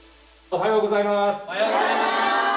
おはようございます。